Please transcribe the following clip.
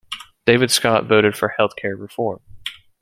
David Scott voted for healthcare reform.